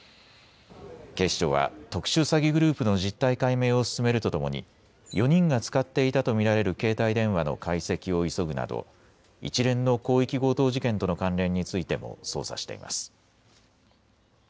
警視庁は特殊詐欺グループの実態解明を進めるとともに４人が使っていたと見られる携帯電話の解析を急ぐなど一連の広域強盗事件との関連についても捜査しています。